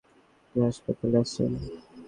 আপনি এখন দক্ষিণ আটলান্টার একটি হাসপাতালে আছেন।